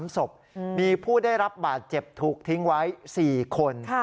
๓ศพมีผู้ได้รับบาดเจ็บถูกทิ้งไว้๔คน